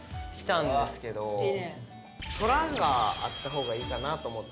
空があった方がいいかなと思って。